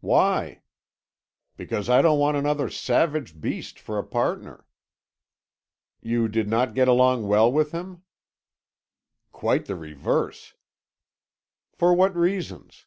"Why?" "Because I don't want another savage beast for a partner." "You did not get along well with him?" "Quite the reverse." "For what reasons?"